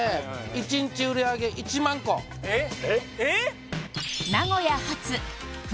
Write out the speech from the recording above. １日売り上げ１万個えっ！？